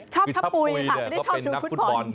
ชอบทะปุ๋ยค่ะไม่ได้ชอบดูฟุตบอล